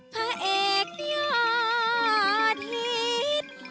พระเอกยอดฮิต